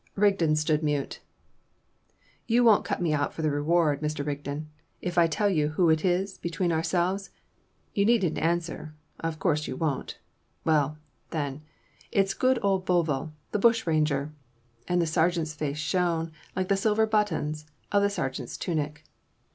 Rigden stood mute. "You won't cut me out for the reward, Mr. Rigden, if I tell you who it is, between ourselves? You needn't answer: of course you won't. Well then it's good old Bovill the bushranger!" And the sergeant's face shone like the silver buttons of the sergeant's tunic.